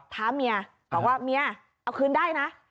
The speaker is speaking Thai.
ท้าเมียบอกว่าเมียเอาคืนได้นะ